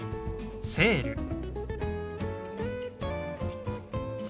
「セール」。